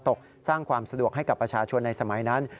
ตกสร้างความสะดวกให้กับประชาชนในสมัยนั้น